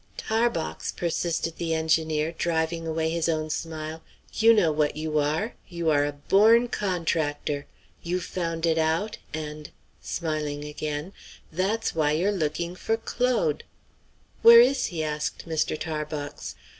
"Tarbox," persisted the engineer, driving away his own smile, "you know what you are; you are a born contractor! You've found it out, and" smiling again "that's why you're looking for Claude." "Where is he?" asked Mr. Tarbox.